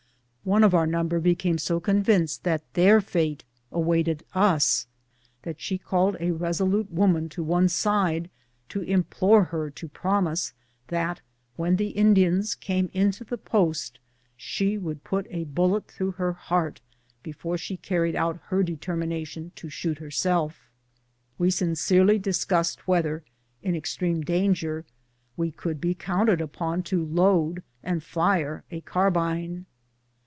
One of our number became so convinced that their fate awaited us, that she called a resolute woman one side to implore her to promise that, when the Indians came into the post, she would put a bullet through her heart, before she carried out her de termination to shoot herself. We sincerely discussed whether, in extreme danger, we could be counted upon to load and fire a carbine.